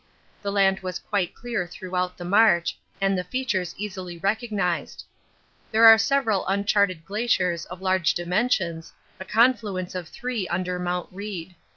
The land was quite clear throughout the march and the features easily recognised. There are several uncharted glaciers of large dimensions, a confluence of three under Mount Reid.